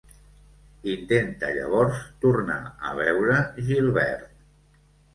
Intenta llavors tornar a veure Gilbert.